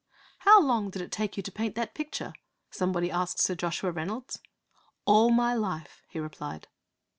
'How long did it take you to paint that picture?' somebody asked Sir Joshua Reynolds. 'All my life!' he replied.